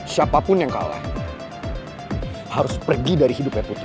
siapapun yang kalah harus pergi dari hidupnya putri